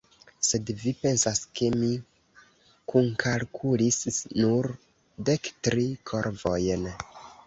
Sed vi pensas, ke mi kunkalkulis nur dek tri korvojn?